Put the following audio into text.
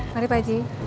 mari pak ji